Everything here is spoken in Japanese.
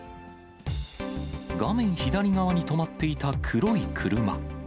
画面左側に止まっていた黒い車。